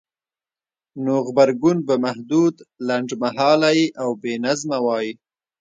نو غبرګون به محدود، لنډمهالی او بېنظمه وای؛